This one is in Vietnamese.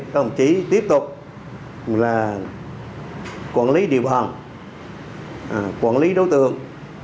còn chỉ tiếp tục là quản lý địa bàn quản lý đối tượng